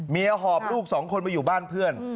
หอบลูกสองคนมาอยู่บ้านเพื่อน